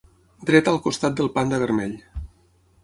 Dreta al costat del Panda vermell.